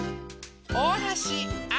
おおはしあ